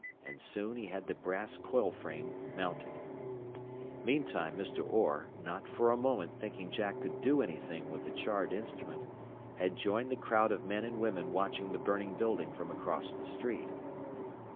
And soon he had the brass coil frame mounted. Meantime Mr. Orr, not for a moment thinking Jack could do anything with the charred instrument, had joined the crowd of men and women watching the burning building from across the street.